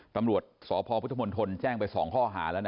ตำรวจสพพุทธมนตรแจ้งไป๒ข้อหาแล้วนะ